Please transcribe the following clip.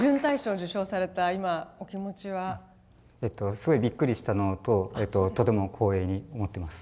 すごいびっくりしたのととても光栄に思ってます。